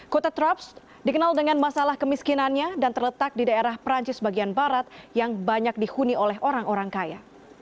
kota traps dikenal dengan masalah kemiskinannya dan terletak di daerah perancis bagian barat yang banyak dihuni oleh orang orang kaya